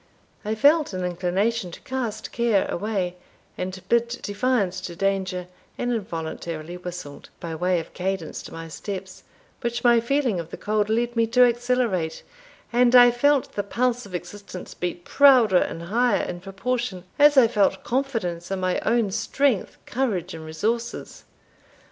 I felt an inclination to cast care away, and bid defiance to danger, and involuntarily whistled, by way of cadence to my steps, which my feeling of the cold led me to accelerate, and I felt the pulse of existence beat prouder and higher in proportion as I felt confidence in my own strength, courage, and resources.